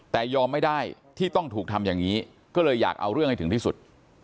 แต่ยอมไม่ได้ที่ต้องถูกทำอย่างนี้ก็เลยอยากเอาเรื่องให้ถึงที่สุด